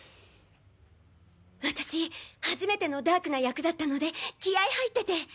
私初めてのダークな役だったので気合い入ってて。